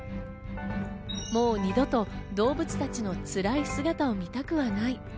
もう二度と、動物たちのつらい姿を見たくはない。